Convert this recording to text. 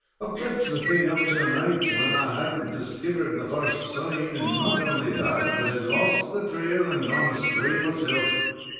I kept the thing up till night, when I had n't diskivered the first sign, and not only that, but had lost the trail, and gone astray myself."